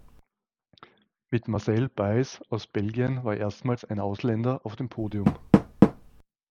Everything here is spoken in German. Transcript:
Mit Marcel Buysse aus Belgien war erstmals ein Ausländer auf dem Podium.